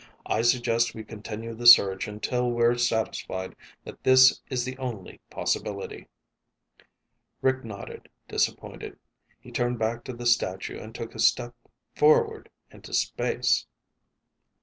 I suggest we continue the search until we're satisfied that this is the only possibility." Rick nodded, disappointed. He turned back to the statue and took a step forward into space!